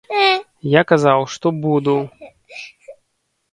Я казаў, што буду!